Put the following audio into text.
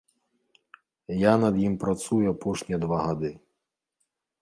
Я над ім працую апошнія два гады.